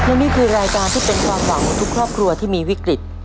และนี่คือรายการที่เป็นความหวังของทุกครอบครัวที่มีวิกฤต